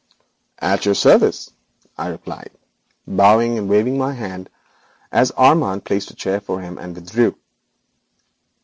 'At your service,' I replied, bowing and waving my hand as Armand placed a chair for him, and withdrew.